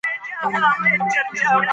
پرېکړې باید روښانه وي